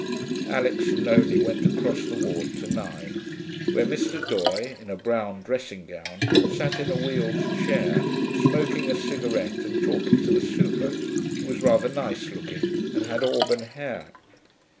Alix and Nonie went across the ward to nine, where Mr. Doye, in a brown dressing gown, sat in a wheeled chair, smoking a cigarette and talking to the super, who was rather nice looking and had auburn hair.